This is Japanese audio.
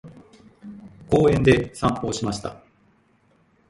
公園で散歩をしました。